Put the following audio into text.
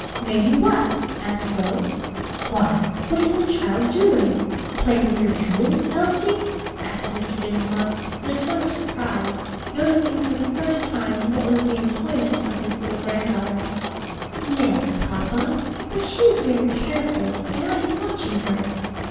"May you what?" asked Rose. "Why, what is the child doing? playing with your jewels, Elsie?" asked Mr. Dinsmore in a tone of surprise, noticing for the first time what was the employment of his little granddaughter. "Yes, papa; but she is very careful, and I am watching her."